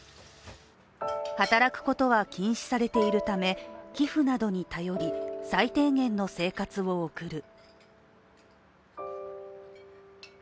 働くことは禁止されているため寄付などに頼り最低限の生活を送る。